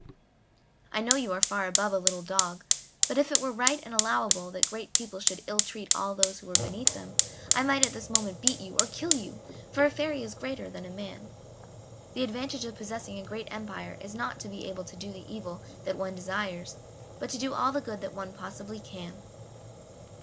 "I know you are far above a little dog, but if it were right and allowable that great people should ill treat all who are beneath them, I might at this moment beat you, or kill you, for a fairy is greater than a man. The advantage of possessing a great empire is not to be able to do the evil that one desires, but to do all the good that one possibly can."